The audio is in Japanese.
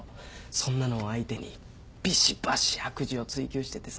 そんなのを相手にびしばし悪事を追及しててさ。